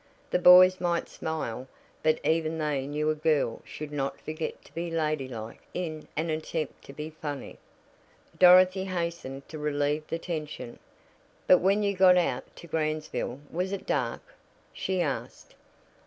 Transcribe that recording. The boys might smile, but even they knew a girl should not forget to be ladylike in an attempt to be funny. Dorothy hastened to relieve the tension. "But when you got out to Gransville, was it dark?" she asked.